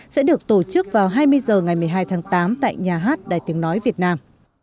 sẽ được tổ chức vào hai mươi h ngày một mươi hai tháng tám tại nhà hát đài tiếng nói việt nam